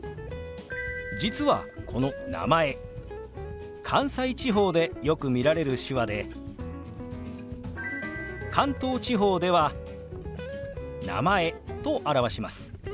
実はこの「名前」関西地方でよく見られる手話で関東地方では「名前」と表します。